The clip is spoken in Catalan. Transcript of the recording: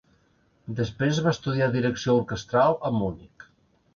Després va estudiar direcció orquestral a Munic.